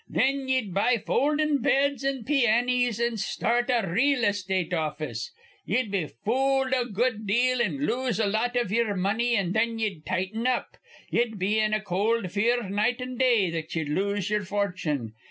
Thin ye'd buy foldin' beds an' piannies, an' start a reel estate office. Ye'd be fooled a good deal an' lose a lot iv ye'er money, an' thin ye'd tighten up. Ye'd be in a cold fear night an' day that ye'd lose ye'er fortune.